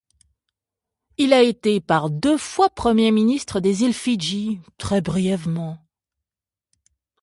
Il a été par deux fois Premier ministre des îles Fidji, très brièvement.